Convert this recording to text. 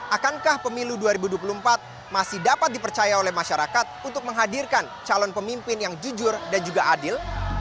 akankah pemilu dua ribu dua puluh empat masih dapat dipercaya oleh masyarakat untuk menghadirkan calon pemimpin yang jujur dan juga adil